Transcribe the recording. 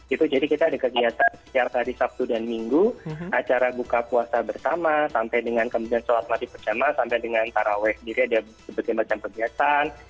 itu jadi kita ada kegiatan sejarah hari sabtu dan minggu acara buka puasa bersama sampai dengan kemudian sholat mati bersama sampai dengan tarawih diri ada seperti macam pergiatan